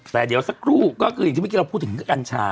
แต่เดี๋ยวสักครู่ก็คืออย่างที่เมื่อกี้เราพูดถึงกัญชา